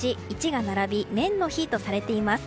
１が並び麺の日とされています。